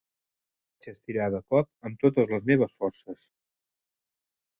Vaig estirar, de cop, amb totes les meves forces.